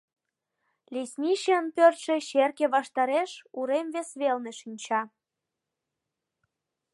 Лесничийын пӧртшӧ черке ваштареш, урем вес велне, шинча.